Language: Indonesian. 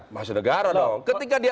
masuk negara dong ketika dia